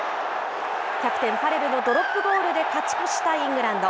キャプテン、ファレルのドロップゴールで勝ち越したイングランド。